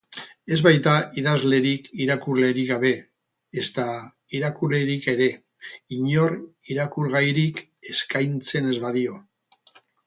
Ez baita idazlerik irakurlerik gabe, ezta irakurlerik ere, inork irakurgairik eskaintzen ez badio.